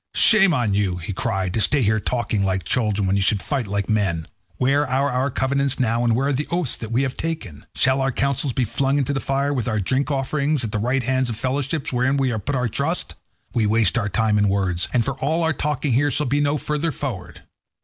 "Shame on you," he cried, "to stay talking here like children, when you should fight like men. Where are our covenants now, and where the oaths that we have taken? Shall our counsels be flung into the fire, with our drink offerings and the right hands of fellowship wherein we have put our trust? We waste our time in words, and for all our talking here shall be no further forward.